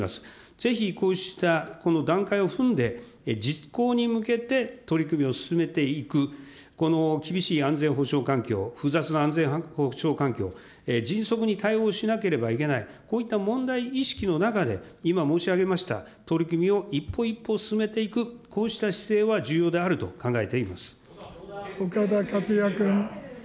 ぜひこうした段階を踏んで、実行に向けて取り組みを進めていく、この厳しい安全保障環境、複雑な安全保障環境、迅速に対応しなければいけない、こういった問題意識の中で、今申し上げました取り組みを一歩一歩進めていく、こうした姿勢は岡田克也君。